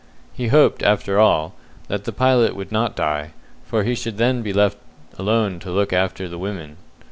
He hoped, after all, that the pilot would not die, for he should then be left alone to look after the women.